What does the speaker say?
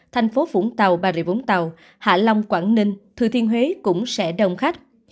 thành phố vũng tàu bà rịa vũng tàu hạ long quảng ninh thừa thiên huế cũng sẽ đông khách